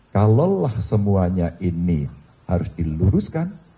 kalaulah semuanya ini harus diluruskan